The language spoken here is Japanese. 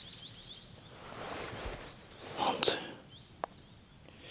何で？